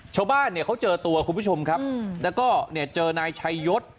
ชาวบ้านเขาเจอตัวคุณผู้ชมแล้วก็เจอนายชายศ